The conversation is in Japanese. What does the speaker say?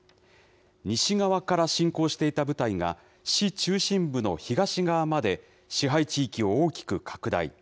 西側から侵攻していた部隊が、市中心部の東側まで支配地域を大きく拡大。